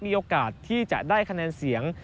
มีโอกาสที่จะได้คะแนนเสียง